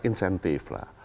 adanya satu insentif lah